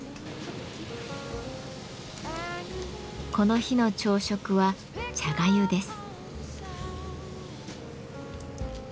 この日の朝食は茶粥です。